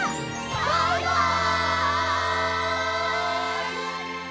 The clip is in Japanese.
バイバイ！